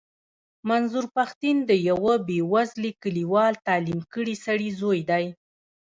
منظور پښتين د يوه بې وزلې کليوال تعليم کړي سړي زوی دی.